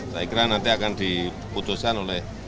saya kira nanti akan diputuskan oleh